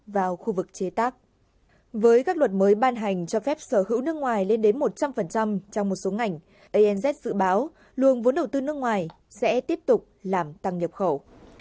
với các luật mới ban hành cho phép sở hữu nước ngoài lên đến một trăm linh trong một số ngành ins dự báo luồng vốn đầu tư nước ngoài sẽ tiếp tục làm tăng nhập khẩu